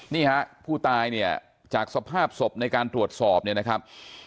นี่ฮะผู้ตายเนี่ยจากสภาพศพในการตรวจสอบเนี่ยนะครับ